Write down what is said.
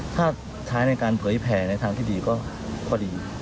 ถ้าใช้ในการเผยแผ่ในทางที่ดีก็พอดี